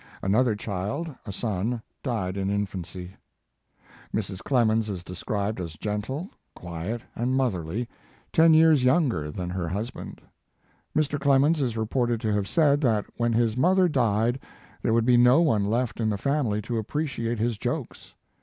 Another child, a son, died in infancy. Mrs. Clemens is described as gentle, quiet and motherly, ten years His Lift and Work. i#z younger than her husband. Mr. Clemens is reported to have said that when his mother died there would be no one left in the family to appreciate his jokes.